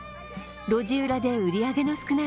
路地裏で売り上げの少ない